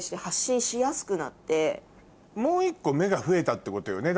もう１個目が増えたってことよね？